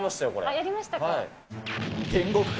やりましたか？